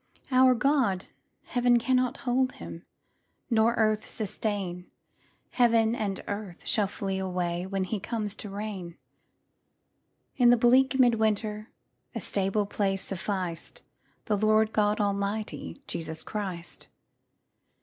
Our God, heaven cannot hold Him, Nor earth sustain; Heaven and earth shall flee away When He comes to reign: In the bleak mid winter A stable place sufficed The Lord God Almighty, Jesus Christ.